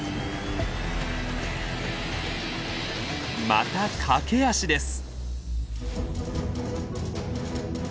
また駆け足です。